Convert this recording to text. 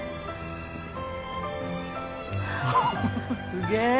すげえ！